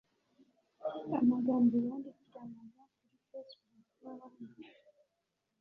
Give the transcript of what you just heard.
amagambo bandikiranaga kuri Facebook n’ahandi